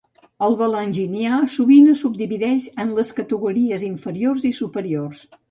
El Valanginià sovint es subdivideix en les categories inferiors i superiors